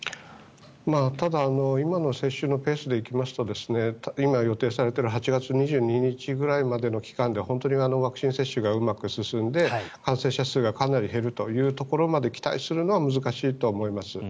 ただ、今の接種のペースで行きますと今、予定されている８月２２日くらいまでの期間で本当にワクチン接種が進んで感染者数が減ることを期待するのは難しいと思います。